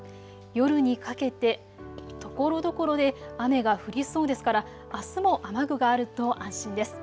夜にかけてところどころで雨が降りそうですからあすも雨具があると安心です。